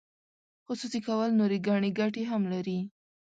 خصوصي کول نورې ګڼې ګټې هم لري.